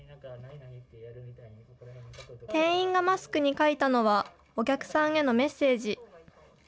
店員がマスクに書いたのは、お客さんへのメッセージ。